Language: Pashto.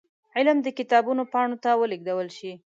علم د کتابونو پاڼو ته ولېږدول شي.